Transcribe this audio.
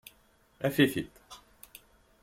Af-it-id.